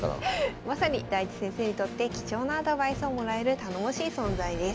まさに大地先生にとって貴重なアドバイスをもらえる頼もしい存在です。